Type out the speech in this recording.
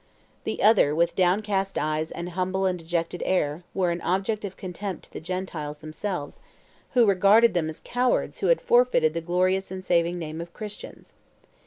. the other, with downcast eyes and humble and dejected air, were an object of contempt to the Gentiles themselves, who regarded them as cowards who had forfeited the glorious and saving name of Christians.